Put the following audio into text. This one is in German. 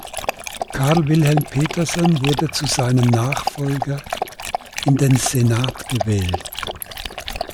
Carl Wilhelm Petersen wurde zu seinen Nachfolger in den Senat gewählt.